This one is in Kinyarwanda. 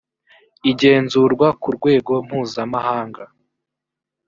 igenzurwa ku rwego mpuzamahannga